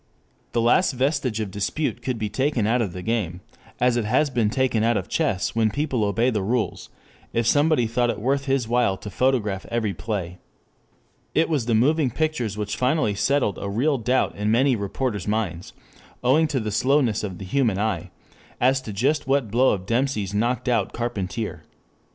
The last vestige of dispute could be taken out of the game, as it has been taken out of chess when people obey the rules, if somebody thought it worth his while to photograph every play. It was the moving pictures which finally settled a real doubt in many reporters' minds, owing to the slowness of the human eye, as to just what blow of Dempsey's knocked out Carpentier.